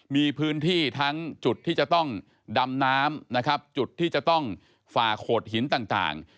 มีพื้นที่ทั้งจุดที่จะต้องดำน้ำนะครับจุดที่จะต้องฝ่าโขดหินต่าง